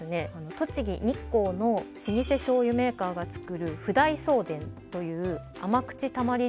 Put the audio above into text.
栃木・日光の老舗醤油メーカーがつくる譜代相伝という甘口たまり